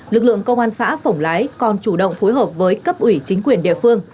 lực lượng công an xã phổng lái còn chủ động phối hợp với cấp ủy chính quyền địa phương